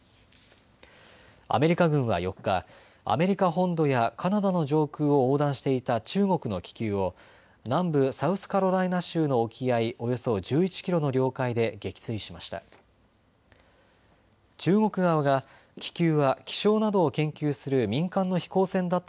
アメリカ軍は４日、アメリカ本土やカナダの上空を横断していた中国の気球を南部サウスカロライナ州の沖合およそ１１キロの領海で撃墜しました。